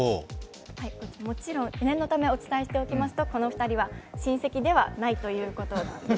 もちろん念のためお伝えしておきますと、この２人は親戚ではないということです。